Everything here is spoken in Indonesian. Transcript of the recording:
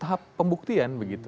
pada tahap pembuktian begitu